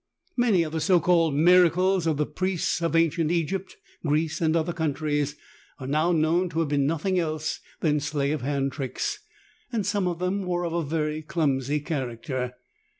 Many of the so called miracles of the priests of ancient Egypt, Greece and other countries are now known to have been nothing else than sleight of hand tricks, and some of them were of a very clumsy character.